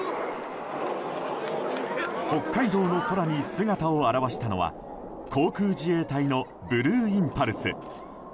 北海道の空に姿を現したのは航空自衛隊のブルーインパルス。